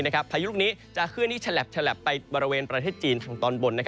พายุลูกนี้จะเคลื่อนที่ฉลับไปบริเวณประเทศจีนทางตอนบน